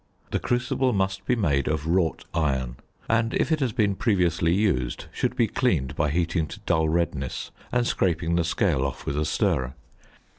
The crucible must be made of wrought iron; and, if it has been previously used, should be cleaned by heating to dull redness and scraping the scale off with a stirrer.